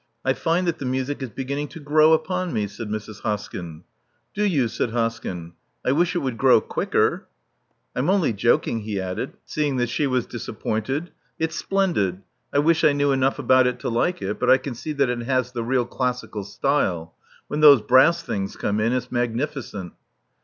I find that the music is beginning to grow upon me," said Mrs. Hoskyn. Do you?" said Hoskyn. I wish it would grow quicker. I'm only joking," he added, seeing that she Love Among the Artists 319 was disappointed. It's splendid. I wish I knew enough about it to like it; but I can see that it has the real classical style. When those brass things come in, it*s magnificent.